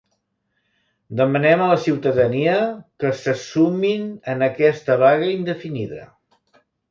Demanen a la ciutadania que se sumin en aquesta vaga indefinida.